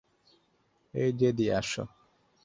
এই, জেডি, আসো।